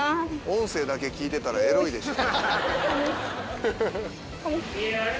音声だけ聞いてたらエロいでしょ。